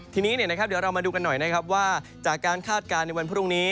ทีนี้เดี๋ยวเรามาดูกันหน่อยนะครับว่าจากการคาดการณ์ในวันพรุ่งนี้